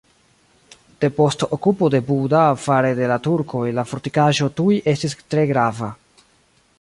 Depost okupo de Buda fare de la turkoj la fortikaĵo tuj estis tre grava.